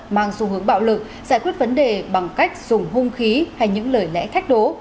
mang xu hướng bạo lực giải quyết vấn đề bằng cách dùng hung khí hay những lời lẽ thách đố